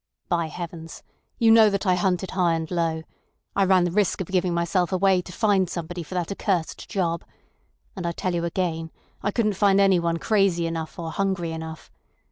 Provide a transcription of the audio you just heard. "By heavens! You know that I hunted high and low. I ran the risk of giving myself away to find somebody for that accursed job. And I tell you again I couldn't find anyone crazy enough or hungry enough.